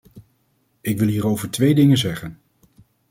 Ik wil hierover twee dingen zeggen.